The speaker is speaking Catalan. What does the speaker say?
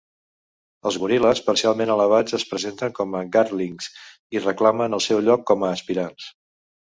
Els goril·les parcialment elevats es presenten com Garthlings i reclamen el seu lloc com a aspirants...